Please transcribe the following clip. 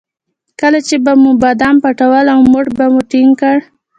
کله چې به مو بادام پټول او موټ به مو ټینګ کړ.